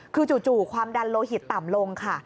คือจู่ความดันโลหิตต่ำลงค่ะ